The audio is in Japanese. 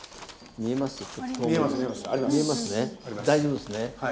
大丈夫ですね？